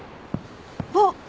あっ。